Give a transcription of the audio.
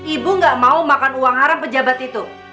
ibu gak mau makan uang haram pejabat itu